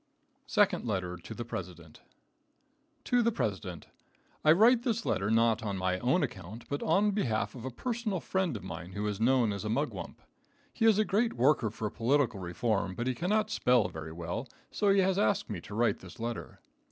Second Letter to the President. To the President. I write this letter not on my own account, but on behalf of a personal friend of mine who is known as a mugwump. He is a great worker for political reform, but he cannot spell very well, so he has asked me to write this letter.